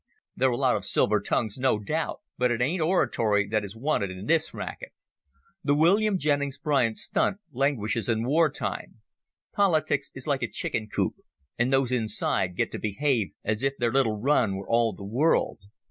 They're a lot of silver tongues, no doubt, but it ain't oratory that is wanted in this racket. The William Jennings Bryan stunt languishes in war time. Politics is like a chicken coop, and those inside get to behave as if their little run were all the world.